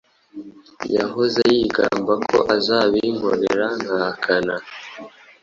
Yahoze yigamba ko azabinkorera nkahakana